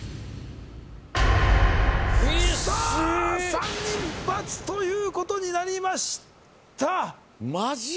さあ３人×ということになりました